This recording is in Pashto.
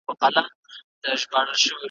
په زارئ و په سجدو کي